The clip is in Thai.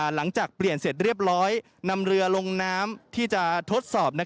หลังจากเปลี่ยนเสร็จเรียบร้อยนำเรือลงน้ำที่จะทดสอบ